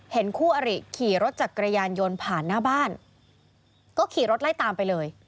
คู่อริขี่รถจักรยานยนต์ผ่านหน้าบ้านก็ขี่รถไล่ตามไปเลย